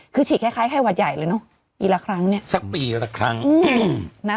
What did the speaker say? คือฉีดคล้ายไข้หวัดใหญ่เลยเนอะปีละครั้งเนี่ยสักปีละครั้งอืมนะ